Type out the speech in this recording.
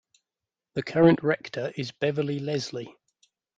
The current Rector is Beverly Leslie.